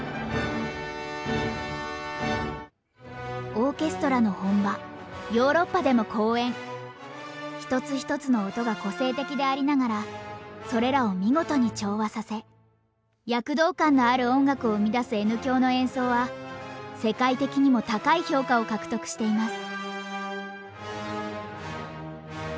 オーケストラの本場１つ１つの音が個性的でありながらそれらを見事に調和させ躍動感のある音楽を生み出すＮ響の演奏は世界的にも高い評価を獲得しています。